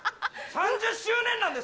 ３０周年なんだよ！